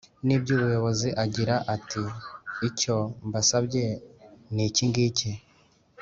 n iby ubuyobozi agira ati Icyo mbasabye ni iki ngiki